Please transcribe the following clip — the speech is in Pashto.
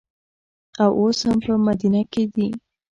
او اوس هم په مدینه کې دي.